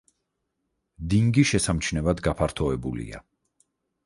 დინგი შესამჩნევად გაფართოებულია.